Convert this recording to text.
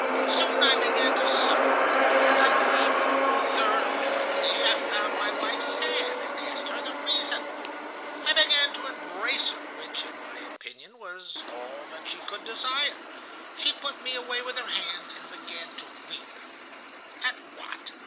Soon I began to suffer. I believe that on the third or fourth day I found my wife sad and asked her the reason. I began to embrace her, which in my opinion was all that she could desire. She put me away with her hand, and began to weep. "At what?